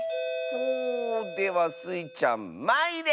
ほではスイちゃんまいれ！